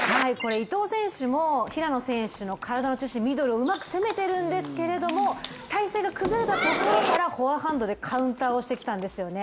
伊藤選手も平野選手の体の中心ミドルをうまく攻めてるんですけれども体勢が崩れたところからフォアハンドでカウンターをしてきたんですよね。